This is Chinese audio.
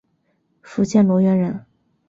福建罗源人。